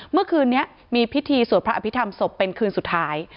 เมื่อคืนนี้มีพิธีสวดพระอภิษฐรรมศพเป็นคืนสุดท้าย